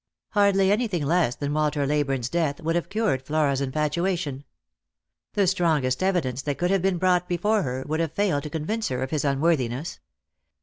Hardly anything less than Walter Leyburne's death would have cured Flora's infatuation. The strongest evidence that could have been brought before her would have failed to convince her of his unworthiness.